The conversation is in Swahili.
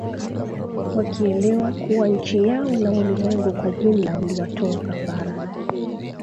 Wakielewa kuwa nchi yao na ulimwengu kwa jumla iliwatoa kafara.